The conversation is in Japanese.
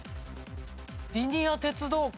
リニア・鉄道館。